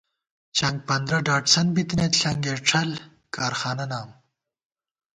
چنگپندرہ ڈاٹسن بِتَنئیت ݪنگېڄھل کارخانہ نام